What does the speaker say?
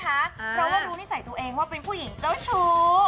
เพราะว่ารู้นิสัยตัวเองว่าเป็นผู้หญิงเจ้าชู้